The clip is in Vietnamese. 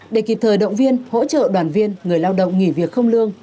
để kịp thời động viên hỗ trợ đoàn viên người lao động nghỉ việc không lương